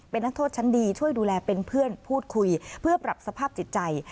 เป็นนักโทษชั้นดีช่วยดูแลเป็นเพื่อนพูดคุยเพื่อปรับสภาพจิตใจ